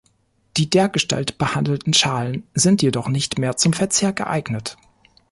Die dergestalt behandelten Schalen sind jedoch nicht mehr zum Verzehr geeignet.